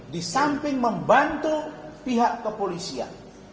di samping membantu pihak kepolisian